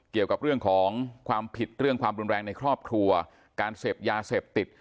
เกี่ยวกับเรื่องของความผิดเรื่องความรุนแรงในครอบครัวการเสพยาเสพติด